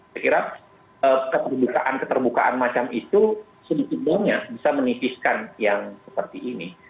saya kira keterbukaan keterbukaan macam itu sedikit banyak bisa menipiskan yang seperti ini